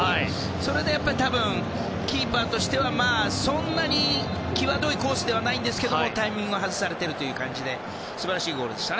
それでキーパーとしてはそんなに際どいコースではないんですけどタイミングを外されているという感じで。